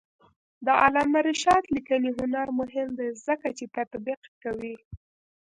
د علامه رشاد لیکنی هنر مهم دی ځکه چې تطبیق کوي.